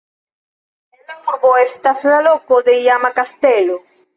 En la urbo estas la loko de iama kastelo.